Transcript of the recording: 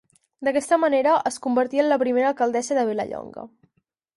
D'aquesta manera es convertí en la primera alcaldessa de Vilallonga.